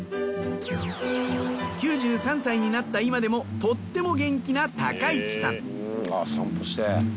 ９３歳になった今でもとっても元気な一さん。